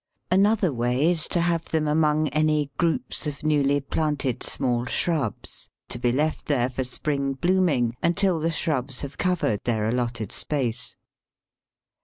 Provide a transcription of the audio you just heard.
Another way is to have them among any groups of newly planted small shrubs, to be left there for spring blooming until the shrubs have covered their allotted space.